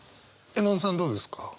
絵音さんどうですか？